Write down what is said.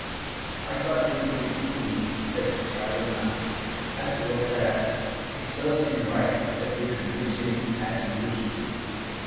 "I thought you would be good to me," said Carloman. "As to Lothaire, it serves him right, that you should use him as he used you."